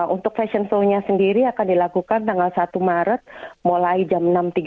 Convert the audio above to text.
untuk fashion show nya sendiri akan dilakukan tanggal satu maret mulai jam enam tiga puluh